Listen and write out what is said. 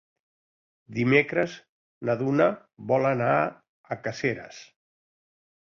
Dimecres na Duna vol anar a Caseres.